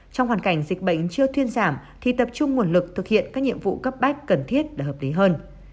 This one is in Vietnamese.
trong hoàn cảnh dịch bệnh chưa thuyên giảm thì tập trung nguồn lực thực hiện các nhiệm vụ cấp bách cần thiết để hợp lý hơn